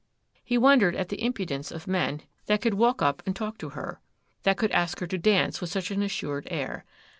He wondered at the impudence of men that could walk up and talk to her,—that could ask her to dance with such an assured air.